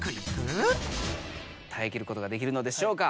たえきることができるのでしょうか？